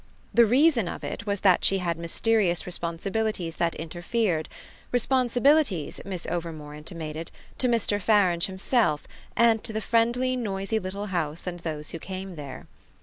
The reason of it was that she had mysterious responsibilities that interfered responsibilities, Miss Overmore intimated, to Mr. Farange himself and to the friendly noisy little house and those who came there.